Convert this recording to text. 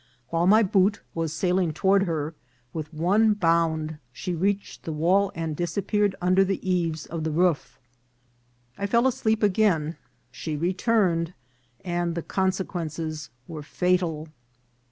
While my boot was sailing toward her, with one bound she reached the wall and disappeared under the eaves of the roof. I fell asleep again ; she returned, and the consequences were fatal.